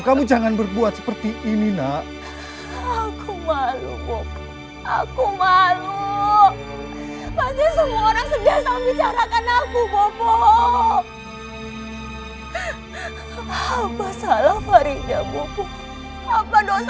kau harus pergi dulu